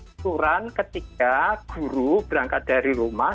aturan ketika guru berangkat dari rumah